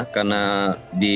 karena di indonesia